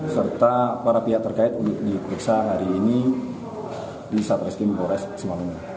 serta para pihak terkait untuk diperiksa hari ini di satreskim polres simalungun